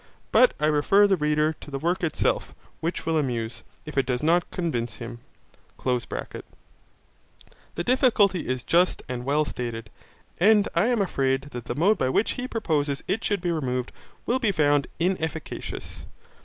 But I refer the reader to the work itself, which will amuse, if it does not convince him.) The difficulty is just and well stated, and I am afraid that the mode by which he proposes it should be removed will be found inefficacious.